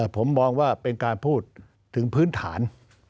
ผมมองว่าเป็นการพูดถึงพื้นฐาน